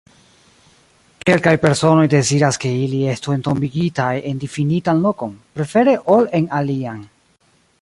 Kelkaj personoj deziras ke ili estu entombigitaj en difinitan lokon, prefere ol en alian.